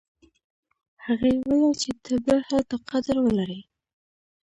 هغې ویل چې ته به هلته قدر ولرې